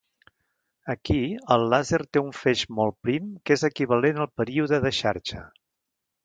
Aquí, el làser té un feix molt prim que és equivalent al període de xarxa.